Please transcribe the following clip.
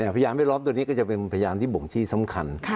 พยานแวดล้อมตัวนี้ก็จะเป็นพยานที่บ่งชี้สำคัญ